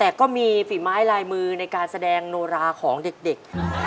แต่ก็มีฝีไม้ลายมือในการแสดงโนราของเด็ก